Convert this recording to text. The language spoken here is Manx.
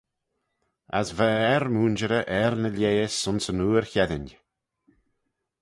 As va e er-mooinjerey er ny lheihys ayns yn oor cheddin.